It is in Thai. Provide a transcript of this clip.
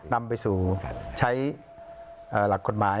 นำไปสู่ใช้หลักกฎหมาย